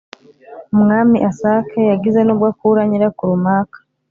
Umwami asak yageze n ubwo akura nyirakuru maka